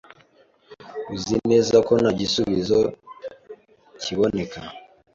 Uzi neza ko nta gisubizo kiboneka?